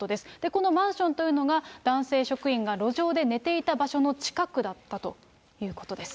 このマンションというのが、男性職員が路上で寝ていた場所の近くだったということです。